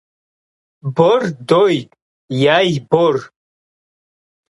Бор дой, яй бор.